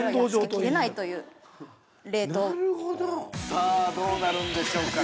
◆さあ、どうなるんでしょうか。